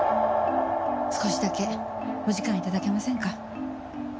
少しだけお時間頂けませんか？